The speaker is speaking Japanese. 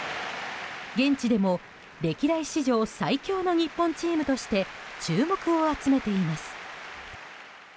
現地でも歴代史上最強の日本チームとして注目を集めています。